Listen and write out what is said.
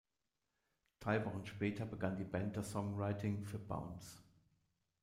Drei Wochen später begann die Band das Songwriting für "Bounce".